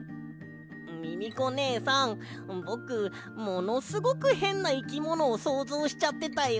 ミミコねえさんぼくものすごくへんないきものをそうぞうしちゃってたよ。